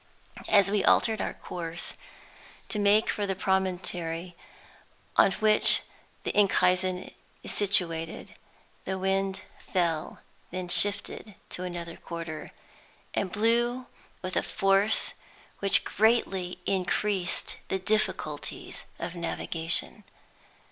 As we altered our course, to make for the promontory on which Enkhuizen is situated, the wind fell, then shifted to another quarter, and blew with a force which greatly increased the difficulties of navigation.